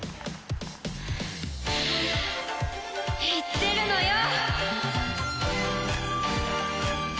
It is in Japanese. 言ってるのよ！